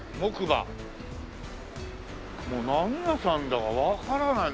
もう何屋さんだかわからない。